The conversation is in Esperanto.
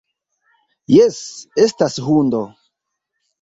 Jes, estas hundo.